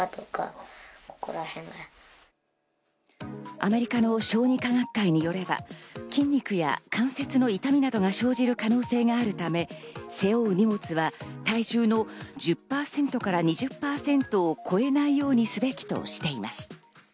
アメリカの小児科学会によれば、筋肉や関節の痛みなどが生じる可能性があるため、背負う荷物は体重の１０％から２０％を超えないようにすべきとしています。